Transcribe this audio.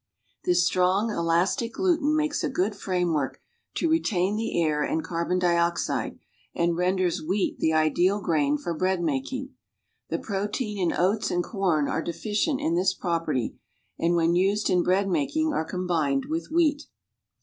This strong elastic gluten makes a good framework to re tain the air and carbon dio.xide and renders wheat the ideal grain for bread making. The protein in oats and corn are deficient in this property and when used in bread making are combined with wlieat.